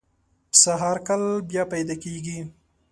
پسه هر کال بیا پیدا کېږي.